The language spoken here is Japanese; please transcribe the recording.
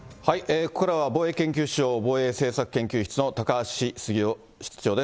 ここからは防衛研究所防衛政策研究室の高橋杉雄室長です。